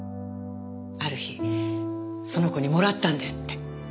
ある日その子にもらったんですって。